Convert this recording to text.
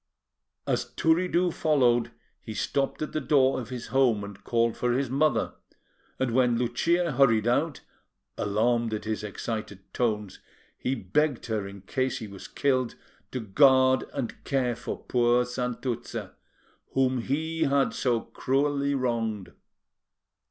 As Turiddu followed, he stopped at the door of his home and called for his mother, and when Lucia hurried out, alarmed at his excited tones, he begged her in case he was killed, to guard and care for poor Santuzza, whom he had so cruelly wronged.